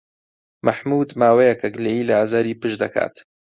مەحموود ماوەیەکە گلەیی لە ئازاری پشت دەکات.